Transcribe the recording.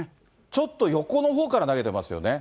ちょっと横のほうから投げてますよね。